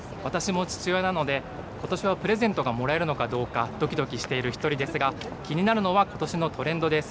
私も父親なので、ことしはプレゼントがもらえるのかどうか、どきどきしている一人ですが、気になるのはことしのトレンドです。